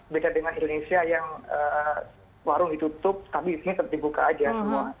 beda dengan indonesia yang warung ditutup tapi tetap dibuka aja semua